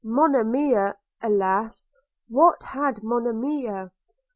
– Monimia! alas! what had Monimia?